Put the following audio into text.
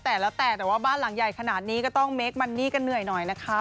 แต่แล้วแต่แต่ว่าบ้านหลังใหญ่ขนาดนี้ก็ต้องเมคมันนี่กันเหนื่อยหน่อยนะคะ